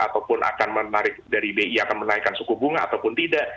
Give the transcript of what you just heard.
ataupun akan menarik dari bi akan menaikkan suku bunga ataupun tidak